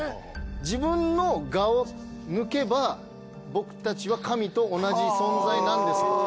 自分の我を抜けば僕たちは神と同じ存在なんですと。